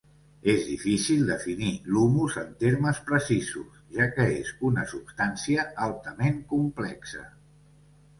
És difícil definir l'humus en termes precisos, ja que és una substància altament complexa.